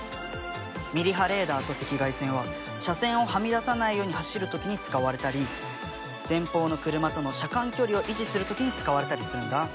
ミリ波レーダーと赤外線は車線をはみ出さないように走る時に使われたり前方の車との車間距離を維持する時に使われたりするんだ。